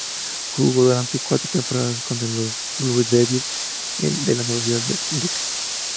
Jugó durante cuatro temporadas con los "Blue Devils" de la Universidad de Duke.